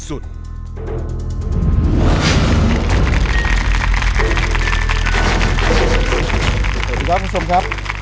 สวัสดีครับคุณผู้ชมครับ